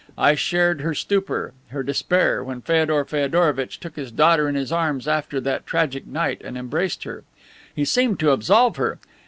I shared her stupor, her despair, when Feodor Feodorovitch took his daughter in his arms after that tragic night, and embraced her. He seemed to absolve her.